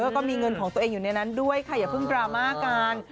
แล้วก็มีเงินของตัวเองอยู่ในนั้นด้วยค่ะอย่าเพิ่งดราม่ากัน